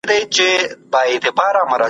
زه اوږده وخت زده کړه کوم؟